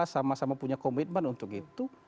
sama sama punya komitmen untuk itu